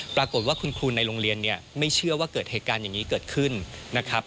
ปรากฏว่าคุณครูในโรงเรียนเนี่ยไม่เชื่อว่าเกิดเหตุการณ์อย่างนี้เกิดขึ้นนะครับ